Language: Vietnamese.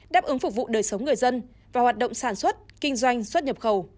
đáp ứng phục vụ đời sống người dân và hoạt động sản xuất kinh doanh xuất nhập khẩu